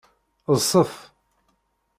Ḍset!